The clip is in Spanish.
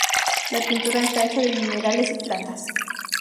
La pintura está hecha de minerales y plantas.